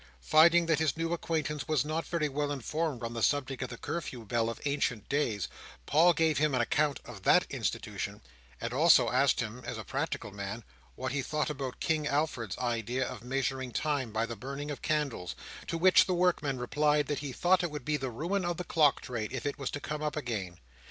Finding that his new acquaintance was not very well informed on the subject of the Curfew Bell of ancient days, Paul gave him an account of that institution; and also asked him, as a practical man, what he thought about King Alfred's idea of measuring time by the burning of candles; to which the workman replied, that he thought it would be the ruin of the clock trade if it was to come up again.